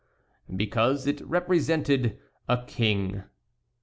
"Because it represented a king."